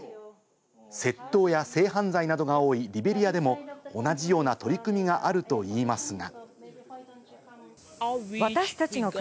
窃盗や性犯罪などが多いリベリアでも同じような取り組みがあるといいますが。